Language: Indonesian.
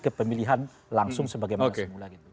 ke pemilihan langsung sebagaimana semula gitu